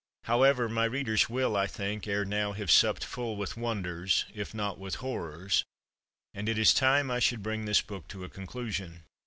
However, my readers will, I think, ere now have supped full with wonders, if not with horrors—and it is time I should bring this book to a conclusion.